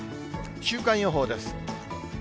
週間予報です。